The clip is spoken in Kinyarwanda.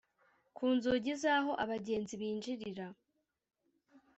ku nzugi z'aho abagenzi binjirira